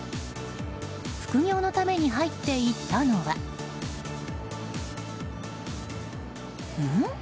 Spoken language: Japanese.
副業のために入っていったのはん？